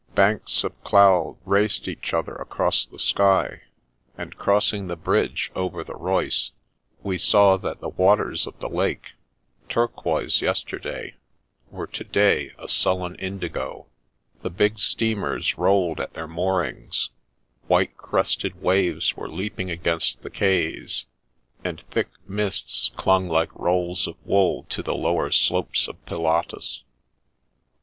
Banks of cloud raced each other across the sky, and, crossing the bridge over the Reuss, we saw that the waters of the Lake, turquoise yesterday, were to day a sullen indigo. The big steamers rolled at their moorings ; white crested waves were leaping against the quays, and thick mists clung like rolls of wool to the lower slopes of Pilatus.